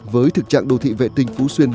với thực trạng đô thị vệ tinh phú xuyên